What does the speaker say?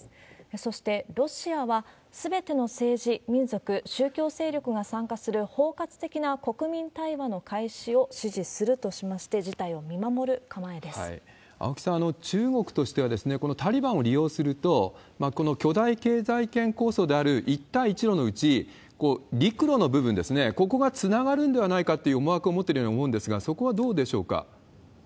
そして、ロシアはすべての政治、民族、宗教勢力が参加する包括的な国民対話の開始を支持するとしまして、青木さん、中国としては、このタリバンを利用すると、この巨大経済圏構想である一帯一路のうち、陸路の部分ですね、ここがつながるんではないかっていう思惑を持ってるように思うんですが、そこはどうでしょうか。